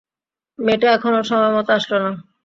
মেয়েটা এখনও সময়মতো আসলো না!